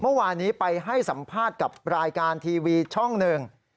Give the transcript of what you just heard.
เมื่อวานนี้ไปให้สัมภาษณ์กับรายการทีวีช่องหนึ่ง